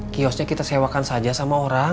kiosnya kita sewakan saja sama orang